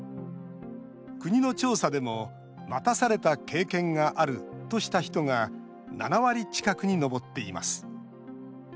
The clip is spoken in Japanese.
国の調査でも待たされた経験があるとした人が７割近くに上っています。